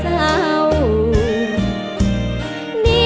ดินอ้างว้างระธมขึ้นขมตรมเศร้า